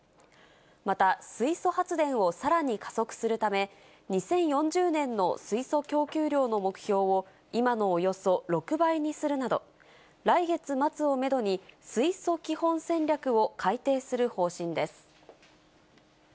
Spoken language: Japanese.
また、水素発電をさらに加速するため、２０４０年の水素供給量の目標を、今のおよそ６倍にするなど、来月末をメドに、水素基本戦略を改定する方針です。